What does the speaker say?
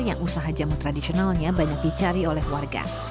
yang usaha jamu tradisionalnya banyak dicari oleh warga